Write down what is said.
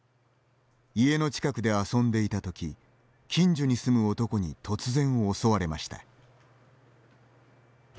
家の近くで遊んでいた時近所に住む男に突然襲われました。